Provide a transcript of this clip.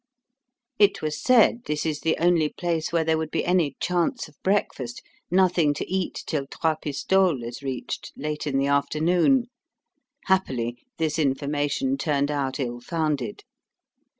It was said this is the only place where there would be any chance of breakfast, nothing to eat till Trois Pistoles is reached, late in the afternoon. Happily this information turned out ill founded.